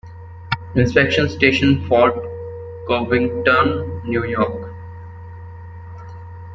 Inspection Station-Fort Covington, New York.